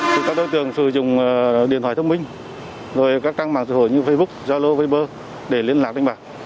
các đối tượng sử dụng điện thoại thông minh các trang mạng sử dụng như facebook zalo viber để liên lạc đánh bạc